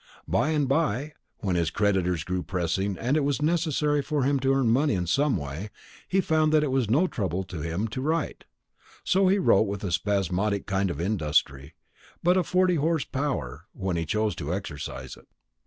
By and by, when his creditors grew pressing and it was necessary for him to earn money in some way, he found that it was no trouble to him to write; so he wrote with a spasmodic kind of industry, but a forty horse power when he chose to exercise it.